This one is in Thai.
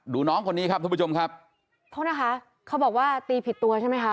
น้องคนนี้ครับทุกผู้ชมครับโทษนะคะเขาบอกว่าตีผิดตัวใช่ไหมคะ